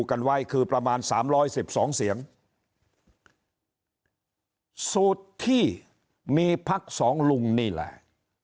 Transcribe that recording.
กันไว้คือประมาณสามร้อยสิบสองเสียงสูตรที่มีพักสองลุงนี่แหละ